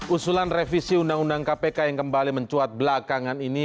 usulan revisi undang undang kpk yang kembali mencuat belakangan ini